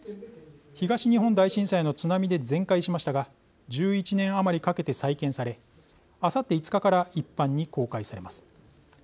東日本大震災の津波で全壊しましたが１１年余りかけて再建されあさって５日から一般に公開されます。